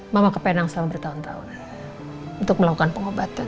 mama ke penang selama bertahun tahun untuk melakukan pengobatan